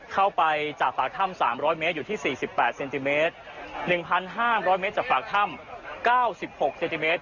เข้าไปจากปากถ้ำสามร้อยเมตรอยู่ที่สี่สิบแปดเซนติเมตรหนึ่งพันห้าร้อยเมตรจากปากถ้ำเก้าสิบหกเซนติเมตร